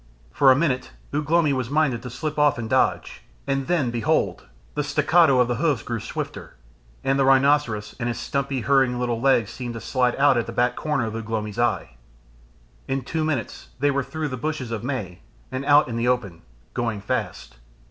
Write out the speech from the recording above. For a minute Ugh lomi was minded to slip off and dodge, and then behold! the staccato of the hoofs grew swifter, and the rhinoceros and his stumpy hurrying little legs seemed to slide out at the back corner of Ugh lomi's eye. In two minutes they were through the bushes of May, and out in the open, going fast.